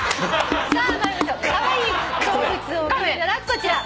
こちら。